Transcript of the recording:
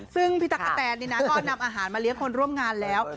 ซึ่งพี่ตั๊กกะแตนนี่นะก็นำอาหารมาเลี้ยงคนร่วมงานแล้ว